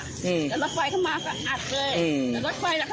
แต่รถไฟเขามาก็อัดเลย